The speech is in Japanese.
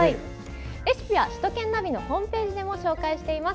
レシピは首都圏ナビのホームページでも紹介しています。